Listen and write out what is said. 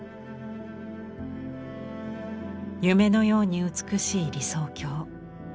夢のように美しい理想郷。